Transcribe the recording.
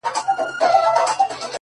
زه د لاسونو د دعا په حافظه کي نه يم’